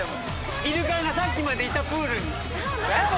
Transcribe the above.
イルカがさっきまでいたプールに。